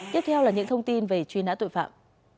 tiếp theo là những thông tin về chuyên án tội phạm